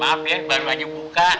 maaf ya baru aja buka